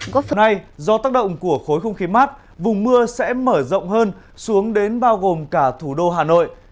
hôm nay do tác động của khối không khí mát vùng mưa sẽ mở rộng hơn xuống đến bao gồm cả thủ đô hà nội